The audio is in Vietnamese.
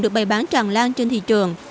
được bày bán tràn lan trên thị trường